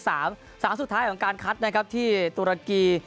สถานที่สุดท้ายของการคัดที่ตุรกี